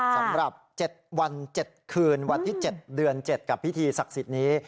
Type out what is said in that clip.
สำหรับ๗วัน๗คืนวันที่๗เดือน๗กับพิธีศักดิ์สิทธิ์นี้